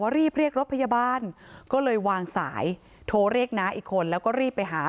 รีบเรียกรถพยาบาลก็เลยวางสายโทรเรียกน้าอีกคนแล้วก็รีบไปหา